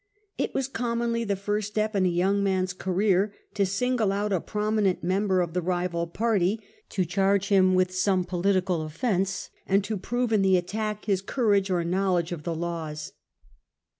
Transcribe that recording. It was commonly the first step in a young man's career to single out a prominent member of the rival party, to charge him practice of with some political offence, and to prove in menrimdci the attack his courage or knowledge of the laws.